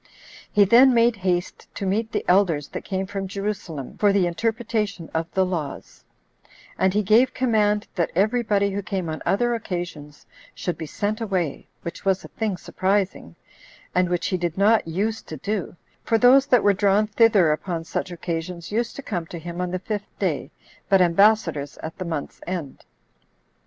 He then made haste to meet the elders that came from Jerusalem for the interpretation of the laws; and he gave command, that every body who came on other occasions should be sent away, which was a thing surprising, and what he did not use to do; for those that were drawn thither upon such occasions used to come to him on the fifth day, but ambassadors at the month's end.